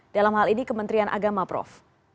dalam hal ini kementerian agama prof